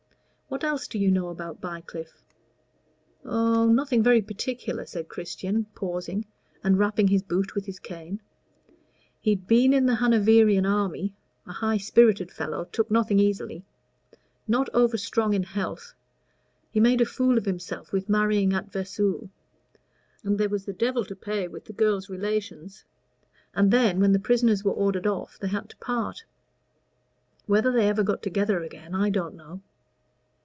"What else do you know about Bycliffe?" "Oh, nothing very particular," said Christian pausing, and rapping his boot with his cane. "He'd been in the Hanoverian army a high spirited fellow, took nothing easily; not over strong in health. He made a fool of himself with marrying at Vesoul; and there was the devil to pay with the girl's relations; and then, when the prisoners were ordered off, they had to part. Whether they ever got together again I don't know."